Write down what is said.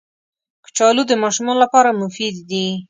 کچالو د ماشومانو لپاره مفید دي